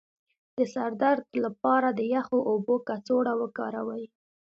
د سر د درد لپاره د یخو اوبو کڅوړه وکاروئ